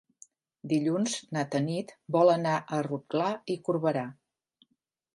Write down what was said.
Dilluns na Tanit vol anar a Rotglà i Corberà.